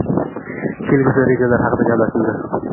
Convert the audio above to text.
Kelgusi rejalari haqida gaplashildi.